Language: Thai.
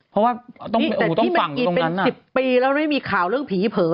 เป็นสิบปีแล้วไม่มีข่าวเรื่องผีเผลอเลยนะ